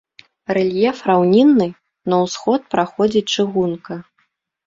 Рэльеф раўнінны, на ўсход праходзіць чыгунка.